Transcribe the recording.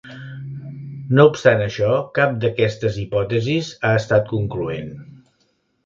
No obstant això cap d'aquestes hipòtesis ha estat concloent.